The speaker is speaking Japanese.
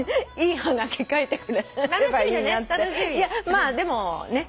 まあでもねっ。